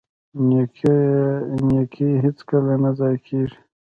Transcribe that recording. نیکي هیڅکله نه ضایع کیږي.